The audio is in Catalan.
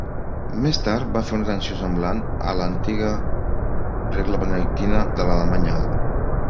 Més tard va fer una atenció semblant a la antiga regla benedictina de l'alemany alt.